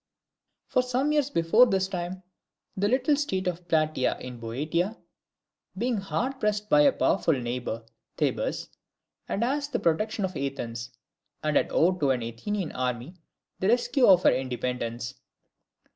For some years before this time, the little state of Plataea in Boeotia, being hard pressed by her powerful neighbour, Thebes, had asked the protection of Athens, and had owed to an Athenian army the rescue of her independence.